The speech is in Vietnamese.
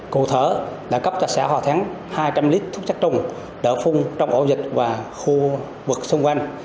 cụ thở đã cấp cho xã hòa thắng hai trăm linh lít thuốc chắc trùng đỡ phun trong ổ dịch và khu vực xung quanh